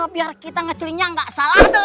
biar kita mencilihnya tidak salah